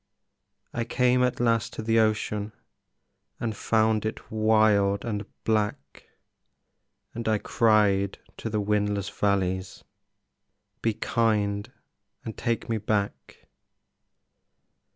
I came at last to the ocean And found it wild and black, And I cried to the windless valleys, "Be kind and take me back!"